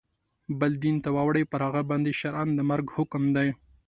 بل دین ته واوړي پر هغه باندي شرعاً د مرګ حکم دی.